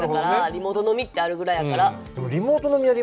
リモート飲みってあるくらいやから。